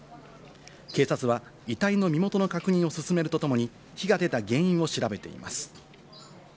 警察は遺体の身元の確認を進めるとともに火が出た原因を調べています。